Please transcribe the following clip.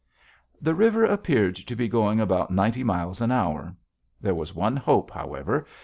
The river appeared to be going about ninety miles an hour. There was one hope, however.